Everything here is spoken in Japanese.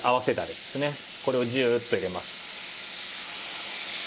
これをジューッと入れます。